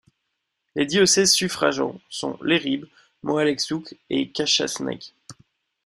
Les diocèses suffragants sont Leribe, Mohale's Hoek et Qacha's Nek.